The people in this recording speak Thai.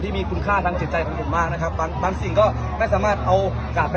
มีคุณค่าทางจิตใจของผมมากนะครับบางสิ่งก็ไม่สามารถเอากลับไป